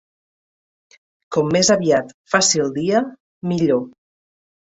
Com més aviat faci el dia, millor.